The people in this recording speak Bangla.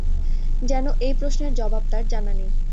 যেন এই প্রশ্নের জবাব তার জানা নেই।